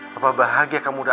papa bahagia kamu datang